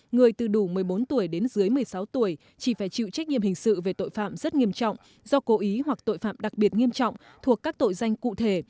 người từ đủ một mươi bốn tuổi đến dưới một mươi sáu tuổi chỉ phải chịu trách nhiệm hình sự về tội phạm rất nghiêm trọng do cố ý hoặc tội phạm đặc biệt nghiêm trọng thuộc các tội danh cụ thể